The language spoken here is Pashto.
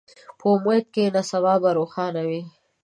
په امید کښېنه، سبا به روښانه وي.